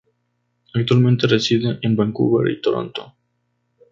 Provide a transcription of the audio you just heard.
Actualmente reside en Vancouver y Toronto.